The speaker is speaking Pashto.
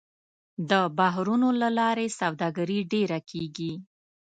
د بحرونو له لارې سوداګري ډېره کېږي.